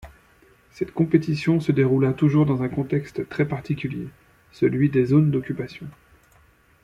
Cette compétition se déroula toujours dans un contexte très particulier, celui des zones d’occupation.